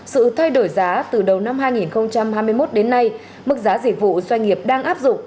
sự thay đổi giá từ đầu năm hai nghìn hai mươi một đến nay mức giá dịch vụ doanh nghiệp đang áp dụng